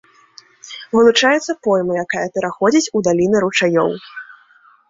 Вылучаецца пойма, якая пераходзіць у даліны ручаёў.